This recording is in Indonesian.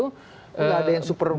tidak ada yang super